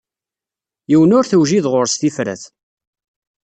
Yiwen ur tewjid ɣur-s tifrat.